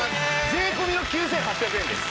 税込の９８００円です。